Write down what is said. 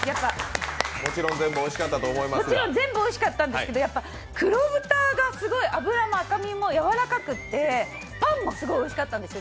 全部おいしかったんですけど黒豚がもうすごい、脂も赤身もやわらかくて、パンもすごいおいしかったんですよ